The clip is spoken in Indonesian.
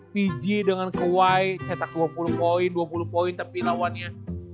pg dengan kowai cetak dua puluh point dua puluh point tapi lawannya